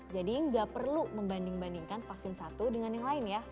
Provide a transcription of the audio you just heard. jadi nggak perlu membanding bandingkan vaksin satu dengan yang lain ya